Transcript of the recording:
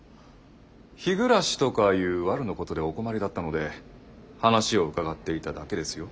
日暮とかいうワルのことでお困りだったので話を伺っていただけですよ。